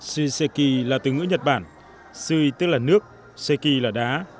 shuseki là từ ngữ nhật bản shui tức là nước seiki là đá